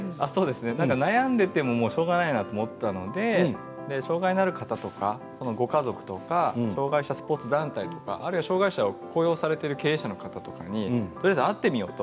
悩んでいてもしょうがないなと思ったので障害のある方や、ご家族や障害者スポーツ団体とかあるいは障害者を雇用されている経営者の方に会ってみようと。